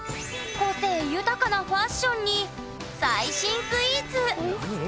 個性豊かなファッションに最新スイーツ。